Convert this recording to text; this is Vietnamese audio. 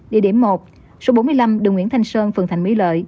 địa điểm một số bốn mươi năm đường nguyễn thanh sơn phường thành mỹ lợi